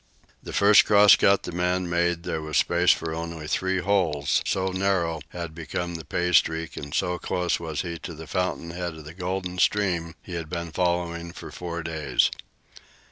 The first cross cut the man made, there was space for only three holes, so narrow had become the pay streak and so close was he to the fountainhead of the golden stream he had been following for four days.